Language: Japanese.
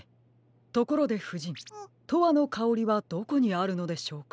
ところでふじん「とわのかおり」はどこにあるのでしょうか。